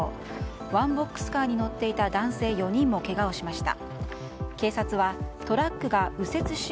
ワンボックスカーに乗っていた男性４人もけがをしました。